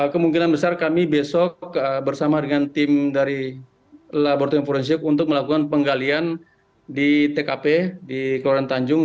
kemungkinan besar kami besok bersama dengan tim dari laboratorium forensik untuk melakukan penggalian di tkp di kelurahan tanjung